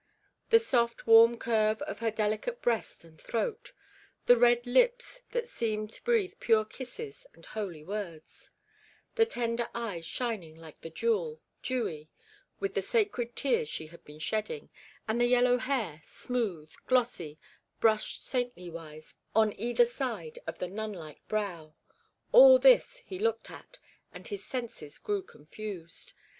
The soft warm curve of the delicate breast and throat, the red lips that seemed to breathe pure kisses and holy words, the tender eyes shining like the jewel, dewy with the sacred tears she had been shedding, and the yellow hair, smooth, glossy, brushed saintly wise on either side of the nunlike brow all this he looked at, and his senses grew confused.